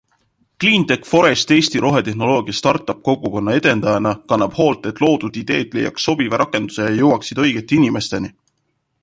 Cleantech ForEst Eesti rohetehnoloogia startup kogukonna edendajana kannab hoolt, et loodud ideed leiaks sobiva rakenduse ja jõuaksid õigete inimesteni.